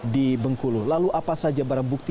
di bengkulu lalu apa saja barang bukti